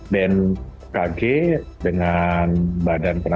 dan kg dengan